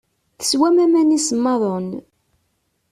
Teswam aman isemmaḍen.